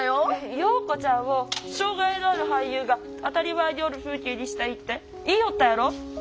桜子ちゃんも障害のある俳優が当たり前におる風景にしたいって言いよったやろ。